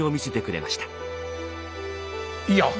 いや！